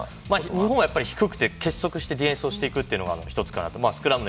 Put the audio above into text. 日本は低くて結束してディフェンスするのが１つかなと。